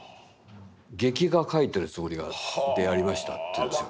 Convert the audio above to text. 劇画描いてるつもりでやりました」って言うんですよ。